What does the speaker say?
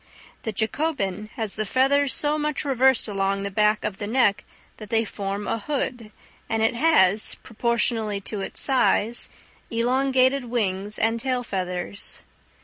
The Jacobin has the feathers so much reversed along the back of the neck that they form a hood, and it has, proportionally to its size, elongated wing and tail feathers.